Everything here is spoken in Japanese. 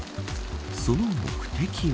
その目的は。